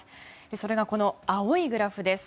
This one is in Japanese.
それが、この青いグラフです。